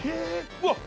うわっ！